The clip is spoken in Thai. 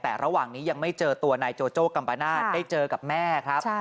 แต่ระหว่างนี้ยังไม่เจอตัวนายโจโจ้กัมปนาศได้เจอกับแม่ครับ